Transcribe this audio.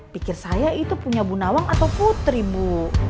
pikir saya itu punya bu nawang atau putri bu